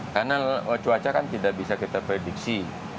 karena cuaca kan tidak bisa kita prediksi